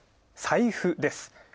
財布です。